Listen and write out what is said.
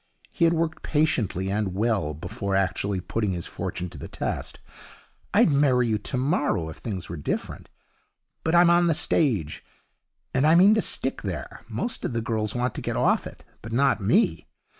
He had worked patiently and well before actually putting his fortune to the test. 'I'd marry you tomorrow if things were different. But I'm on the stage, and I mean to stick there. Most of the girls want to get off it, but not me.